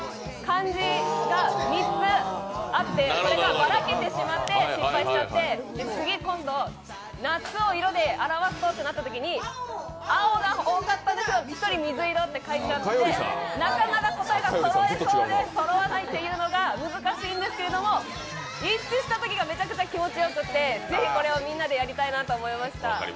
漢字が３つあって、それがばらけてしまって失敗しちゃって、次、夏を色で表すとってなったときに青が多かったんですけど１人、水色って書いちゃってなかなか答えが、そろいそうでそろわないというのが難しいんですけど、一致したときがめちゃくちゃ気持ちよくって是非これをみんなでやりたいなと思いました。